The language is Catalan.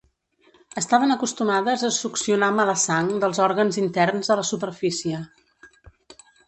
Estaven acostumades a succionar "mala sang" dels òrgans interns a la superfície.